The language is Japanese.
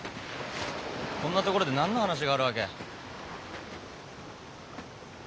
こんな所で何の話があるわけ？